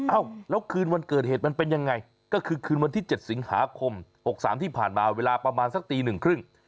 เอ้าแล้วคืนวันเกิดเหตุมันเป็นยังไงก็คือคืนวันที่๗สิงหาคม๖๓ที่ผ่านมาเวลาประมาณสักตีหนึ่งครึ่ง